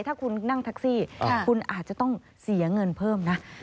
ถ้าคุณนั่งแท็กซี่คุณอาจจะต้องเสียเงินเพิ่มนะ